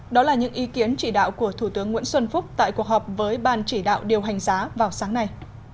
đó là những ý kiến chỉ đạo của thủ tướng nguyễn xuân phúc tại cuộc họp với ban chỉ đạo điều hành giá vào sáng nay